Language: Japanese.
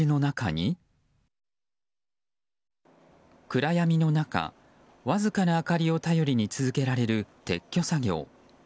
暗闇の中、わずかな明かりを頼りに続けられる撤去作業。